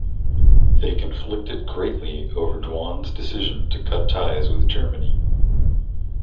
They conflicted greatly over Duan's decision to cut ties with Germany.